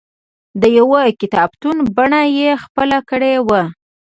د یوه کتابتون بڼه یې خپله کړې وه.